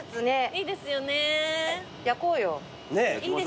いいですね。